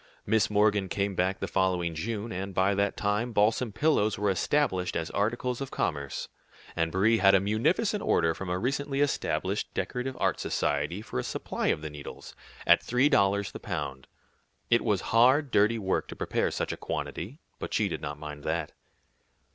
Miss Morgan came back the following June, and by that time balsam pillows were established as articles of commerce, and Brie had a munificent offer from a recently established Decorative Art Society for a supply of the needles, at three dollars the pound. It was hard, dirty work to prepare such a quantity, but she did not mind that.